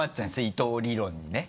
伊藤理論にね。